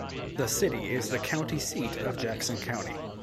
The city is the county seat of Jackson County.